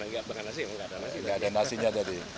gak ada nasinya tadi